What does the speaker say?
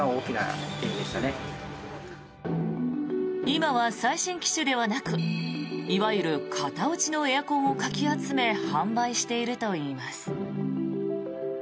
今は最新機種ではなくいわゆる型落ちのエアコンをかき集め販売しているといいます。